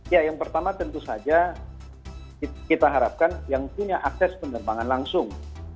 ya yang pertama tentu saja kita harapkan yang punya akses penerbangan langsung